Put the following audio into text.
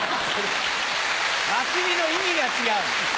祭りの意味が違う。